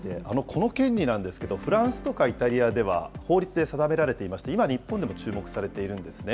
この権利なんですけど、フランスとかイタリアでは、法律で定められていまして、今、日本でも注目されているんですね。